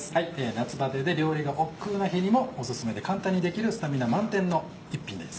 夏バテで料理がおっくうな日にもオススメで簡単にできるスタミナ満点の一品です。